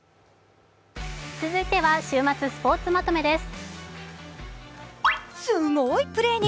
続いては週末スポーツまとめです。